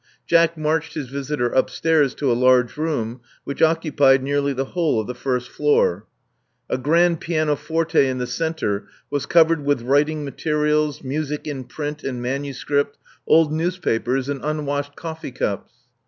Jack marched his visitor upstairs to a large room, which occupied nearly the whole of the first floor. A grand pianoforte in the centre was covered with writing materials, music in print and manuscript, old news 413 414 Love Among the Artists papers, and unwashed coflFee cups.